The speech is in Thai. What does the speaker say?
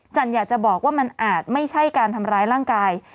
อยากจะบอกว่ามันอาจไม่ใช่การทำร้ายร่างกาย